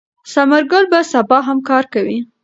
ثمر ګل به سبا هم کار کوي.